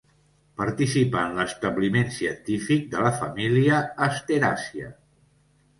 Participà en l'establiment científic de la família asteràcia.